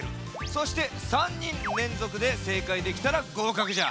そして３にんれんぞくでせいかいできたらごうかくじゃ。